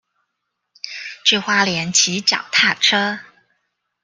去花蓮騎腳踏車